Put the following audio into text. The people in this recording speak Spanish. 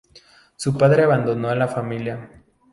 Su padre abandonó a la familia.